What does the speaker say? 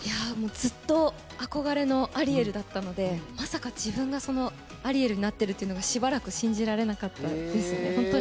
ずっと憧れのアリエルだったのでまさか自分がそのアリエルになっているというのがしばらく信じられなかったです。